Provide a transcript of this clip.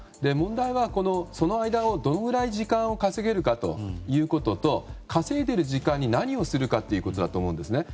問題は、その間、どのくらい時間を稼げるかということと稼いでる時間に何をするかということだと思うんです。